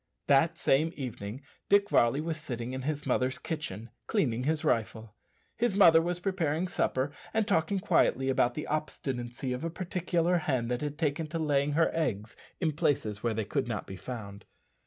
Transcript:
That same evening Dick Varley was sitting in his mother's kitchen cleaning his rifle. His mother was preparing supper, and talking quietly about the obstinacy of a particular hen that had taken to laying her eggs in places where they could not be found.